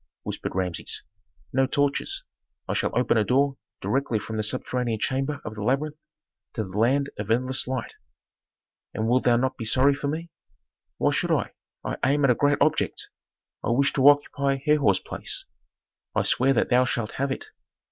whispered Rameses. "No tortures. I shall open a door directly from the subterranean chamber of the labyrinth to the land of endless light." "And wilt thou not be sorry for me?" "Why should I? I aim at a great object; I wish to occupy Herhor's place." "I swear that thou shalt have it."